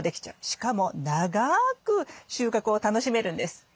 しかも長く収穫を楽しめるんです。